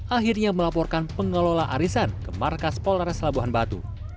akhirnya melaporkan pengelola arisan ke markas polres labuhan batu